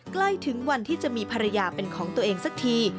ใกล้ถึงวันที่จะมีภรรยาเป็นของตัวเองสักที